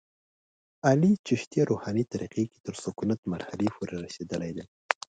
علي چشتیه روحاني طریقه کې تر سکونت مرحلې پورې رسېدلی دی.